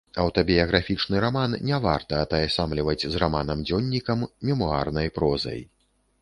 Аўтабіяграфічны раман не варта атаясамліваць з раманам-дзённікам, мемуарнай прозай.